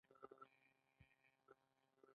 د لوبیا کښت له جوارو سره یوځای ګټه لري؟